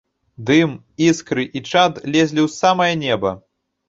Дым, іскры і чад лезлі ў самае неба.